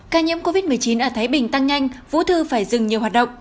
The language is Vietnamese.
ca nhiễm covid một mươi chín ở thái bình tăng nhanh vũ thư phải dừng nhiều hoạt động